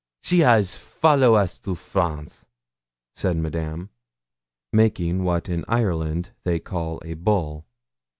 she has follow us to France,' said Madame, making what in Ireland they call a bull.